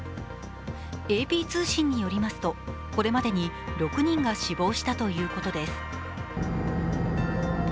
ＡＰ通信によりますと、これまでに６人が死亡したということです。